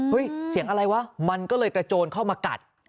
เสียงอะไรวะมันก็เลยกระโจนเข้ามากัด